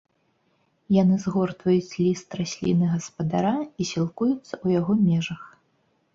Яны згортваюць ліст расліны-гаспадара і сілкуюцца ў яго межах.